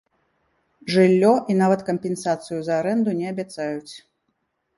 Жыллё і нават кампенсацыю за арэнду не абяцаюць.